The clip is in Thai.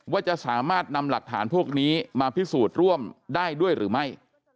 ว่าจะสามารถนำหลักฐานพวกนี้มาพิสูจน์ร่วมได้ด้วยหรือไม่